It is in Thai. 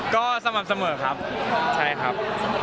ก็สม่ำเสมอครับใช่ครับ